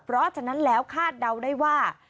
เพราะฉะนั้นแล้วคาดเดาได้ว่า